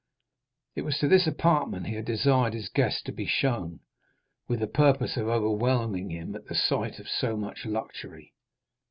It was to this apartment he had desired his guest to be shown, with the purpose of overwhelming him at the sight of so much luxury.